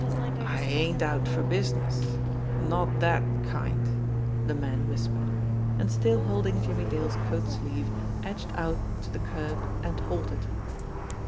"I ain't out for business not dat kind," the man whispered r and still holding Jimmie Dale's coat sleeve, edged out to the curb and halted.